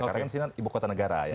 karena di sini ibu kota negara ya